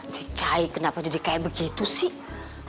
si chai kenapa jadi kayak begitu sih